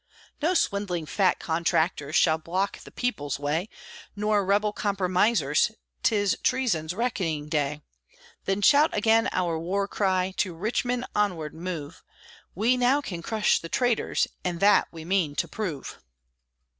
No swindling fat contractors Shall block the people's way, Nor rebel compromisers 'Tis treason's reckoning day. Then shout again our war cry, To Richmond onward move! We now can crush the traitors, And that we mean to prove!